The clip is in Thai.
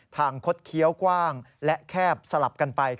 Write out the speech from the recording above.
คดเคี้ยวกว้างและแคบสลับกันไป